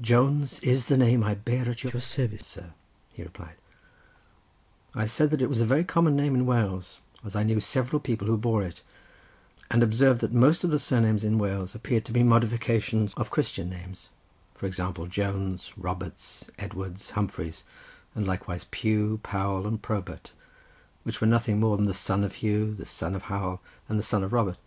"Jones is the name I bear at your service, sir," he replied. I said that it was a very common name in Wales, as I knew several people who bore it, and observed that most of the surnames in Wales appeared to be modifications of Christian names; for example Jones, Roberts, Edwards, Humphreys, and likewise Pugh, Powel, and Probert, which were nothing more than the son of Hugh, the son of Howel, and the son of Robert.